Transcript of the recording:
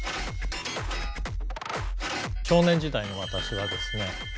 少年時代の私はですね